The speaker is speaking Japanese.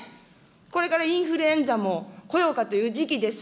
これからインフルエンザも来ようかという時期です。